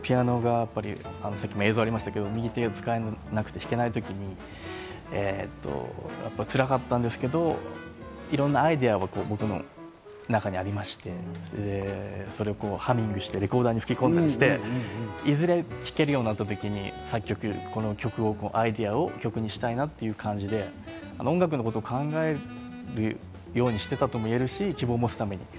全部で１０曲オリジナル曲を収録したんですが、療養中に右手が使えなくてピアノが弾けない時にやっぱりつらかったんですけど、いろんなアイデアが僕の中にありまして、それをこうハミングしてレコーダーに吹き込んだりして、いずれ弾けるようになった時に、このアイデアを曲にしたいなという感じで、音楽のことを考えるようにしてたともいえるし、希望を持つために。